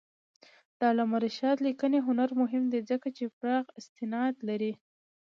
د علامه رشاد لیکنی هنر مهم دی ځکه چې پراخ استناد کوي.